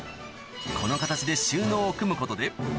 この形で収納を組むことで楽でしょ？